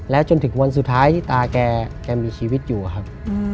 จนถึงวันสุดท้ายที่ตาแกมีชีวิตอยู่ครับ